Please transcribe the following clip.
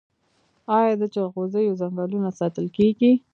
آیا د جلغوزیو ځنګلونه ساتل کیږي؟